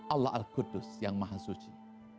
allah al kudus yang maha suci